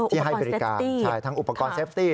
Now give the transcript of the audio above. ที่ให้บริการทั้งอุปกรณ์เซฟตี้